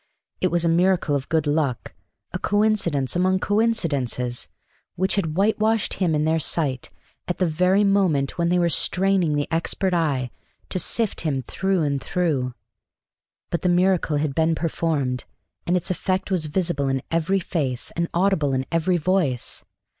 It was a miracle of good luck, a coincidence among coincidences, which had white washed him in their sight at the very moment when they were straining the expert eye to sift him through and through. But the miracle had been performed, and its effect was visible in every face and audible in every voice.